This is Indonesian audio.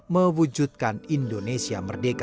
mewujudkan indonesia merdeka